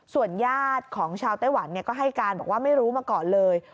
ส่วนญาติของชาวไต้หวันก็ให้การบอกว่าไม่รู้มาก่อนเลย